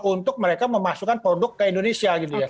untuk mereka memasukkan produk ke indonesia gitu ya